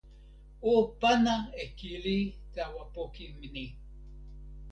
o pana e kili tawa poki ni.